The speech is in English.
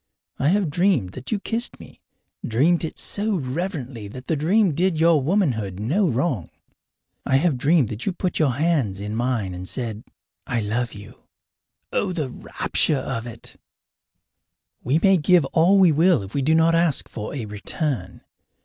I have dreamed that you kissed me dreamed it so reverently that the dream did your womanhood no wrong. I have dreamed that you put your hands in mine and said, "I love you." Oh, the rapture of it! We may give all we will if we do not ask for a return.